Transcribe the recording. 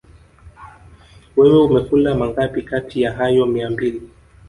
Wewe umekula mangapi kati ya hayo mia mbili